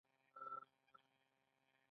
اداره باید د مصرفي راپور په جوړولو مکلفه وي.